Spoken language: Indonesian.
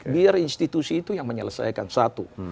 biar institusi itu yang menyelesaikan satu